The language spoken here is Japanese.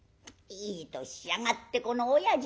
「いい年しやがってこの親父は」。